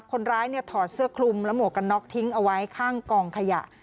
คนร้ายเนี่ยถอดเสื้อคลุมและหมวกกันน็อกทิ้งเอาไว้ข้างกองขยะ